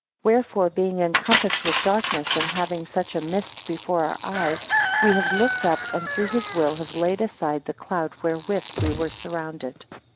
8 Wherefore being encompassed with darkness, and having such a mist before our eyes, we have looked up, and through his will have laid aside the cloud wherewith we were surrounded.